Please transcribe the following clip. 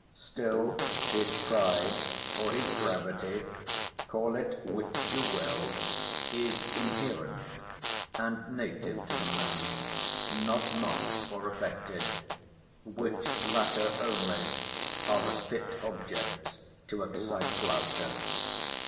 Still his pride, or his gravity, (call it which you will) is inherent, and native to the man, not mock or affected, which latter only are the fit objects to excite laughter.